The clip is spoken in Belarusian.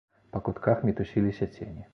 Па кутках мітусіліся цені.